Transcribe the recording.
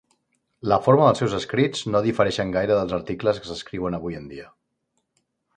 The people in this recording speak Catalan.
La forma dels seus escrits no difereixen gaire dels articles que s'escriuen avui en dia.